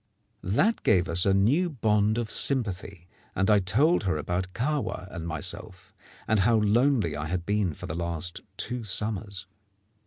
That gave us a new bond of sympathy; and I told her about Kahwa and myself, and how lonely I had been for the last two summers.